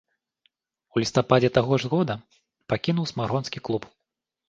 У лістападзе таго ж года пакінуў смаргонскі клуб.